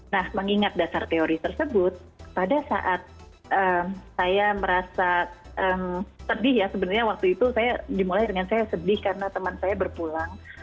nah mengingat dasar teori tersebut pada saat saya merasa sedih ya sebenarnya waktu itu saya dimulai dengan saya sedih karena teman saya berpulang